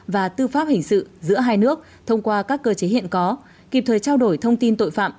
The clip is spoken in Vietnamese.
và tư pháp hình sự giữa hai nước thông qua các cơ chế hiện có kịp thời trao đổi thông tin tội phạm